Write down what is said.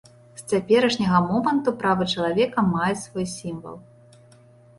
З цяперашняга моманту правы чалавека маюць свой сімвал.